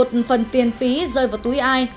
cần phần tiền phí rơi vào túi ai